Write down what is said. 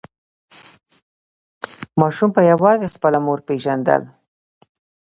ماشوم به یوازې خپله مور پیژندل.